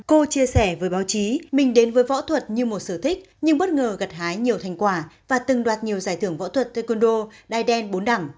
cô chia sẻ với báo chí mình đến với võ thuật như một sở thích nhưng bất ngờ gật hái nhiều thành quả và từng đoạt nhiều giải thưởng võ thuật taekwondo đai đen bốn đẳng